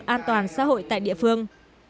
an toàn xã hội tại địa phương